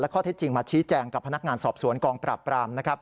ข้อเท็จจริงมาชี้แจงกับพนักงานสอบสวนกองปราบปราม